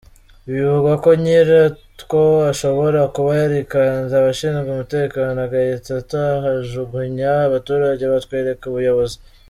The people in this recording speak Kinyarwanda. Bivugwa ko nyira two ashobora kuba yarikanze abashinzwe umutekano agahita atuhajugunya, abaturage batwereka ubuyobozi.